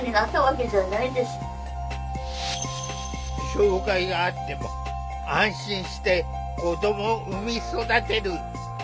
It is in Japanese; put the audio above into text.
障害があっても安心して子どもを産み育てる。